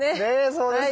そうです。